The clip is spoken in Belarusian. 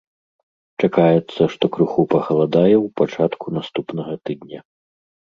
Чакаецца, што крыху пахаладае ў пачатку наступнага тыдня.